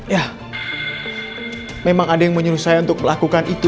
ya memang ada yang menyuruh saya untuk melakukan itu